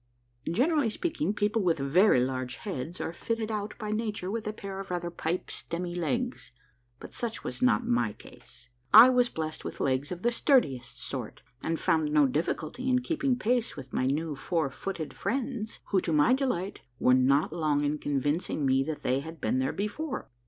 Generally speaking, people with very large heads are fitted out by nature with a pair of rather pipe stemmy legs, but such was not my case. I was blest with legs of the sturdiest sort, and found no difficulty in keeping pace with my new four footed friends who, to my delight, were not long in convincing me that they had been there before.